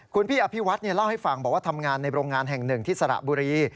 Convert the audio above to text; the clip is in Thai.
คุณพี่อภิวัฒน์เล่าให้ฟังบอกว่าทำงานในโรงงานแห่งหนึ่งที่สระบุรี